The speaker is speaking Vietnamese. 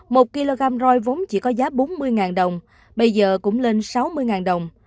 một kg roi vốn chỉ có giá bốn mươi đồng bây giờ cũng lên sáu mươi đồng